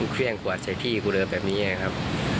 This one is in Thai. เควียงขวดใส่พี่กูเหลือแบบนี้ไงครับ